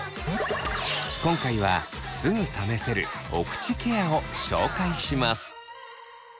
今回はすぐ試せる「おくちケア」を紹介します。